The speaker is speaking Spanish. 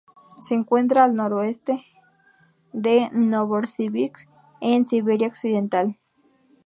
Se encuentra al noreste de Novosibirsk en Siberia occidental.